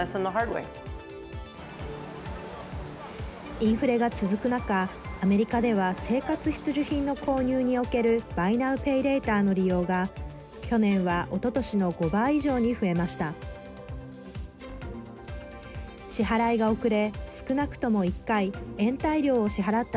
インフレが続く中アメリカでは生活必需品の購入におけるバイナウペイレイターの利用が去年は、おととしの５倍以上に増えました。